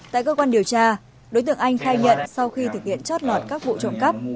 tại cơ quan điều tra đối tượng anh khai nhận sau khi thực hiện chót lọt các vụ trộm cắp